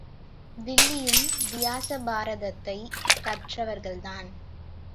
வில்லியும் வியாச பாரதத்தைக் கற்றவர்தான்.